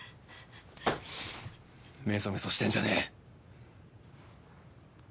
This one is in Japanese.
めそめそしてんじゃねえ！